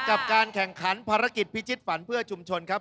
กับการแข่งขันภารกิจพิจิตฝันเพื่อชุมชนครับ